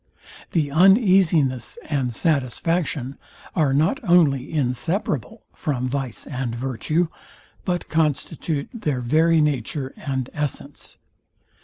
The uneasiness and satisfaction are not only inseparable from vice and virtue, but constitute their very nature and essence.